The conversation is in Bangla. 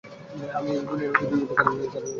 আমি দুনিয়ার বিবিধ খারাপ জিনিস নিয়ে ভাবছি।